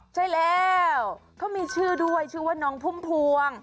ใช่แล้วเขามีชื่อด้วยชื่อว่าน้องพุ่มพวง